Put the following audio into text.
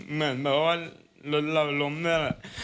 เหมือนแบบว่ารถเราล้มนั่นแหละ